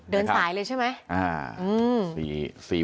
เดินสายเลยใช่ไหม